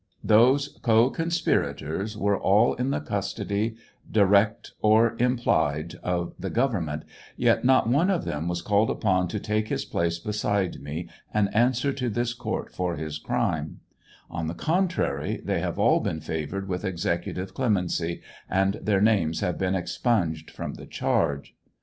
Those co consparitors were all in the custody, direct or im plied, of the government ; yet not one of them was called upon to take his place beside me and answer to this court for his crime ; on the contrary, they have all been favored with executive clemency, and their names have been expunged from the charge.